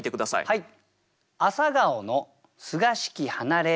はい。